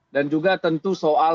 dan juga tentu soal